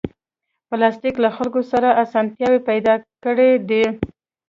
پلاستيک له خلکو سره اسانتیاوې پیدا کړې دي.